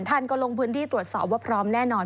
ท่านก็ลงพื้นที่ตรวจสอบว่าพร้อมแน่นอน